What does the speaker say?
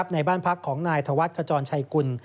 ในบ้านพักของนายธวัฒน์ขจรชัยกุล